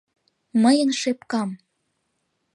Мыйын шепкам